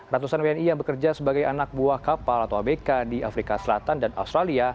ratusan wni yang bekerja sebagai anak buah kapal atau abk di afrika selatan dan australia